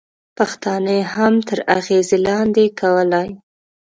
پښتانه یې هم تر اغېزې لاندې کولای.